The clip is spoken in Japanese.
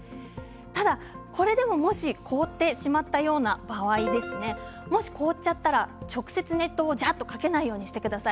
ただこれでも、もし凍ってしまったような場合もし凍っちゃったら直接熱湯を、ざっとかけないようにしてください。